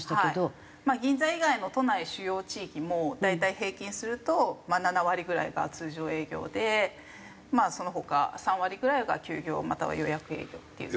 まあ銀座以外の都内主要地域も大体平均すると７割ぐらいが通常営業でまあその他３割ぐらいが休業または予約営業っていう感じですね。